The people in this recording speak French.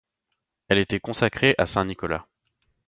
Elle était consacrée à saint Nicolas.